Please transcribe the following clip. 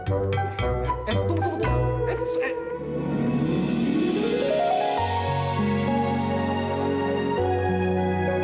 tunggu tunggu tunggu